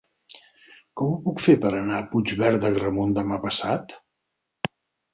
Com ho puc fer per anar a Puigverd d'Agramunt demà passat?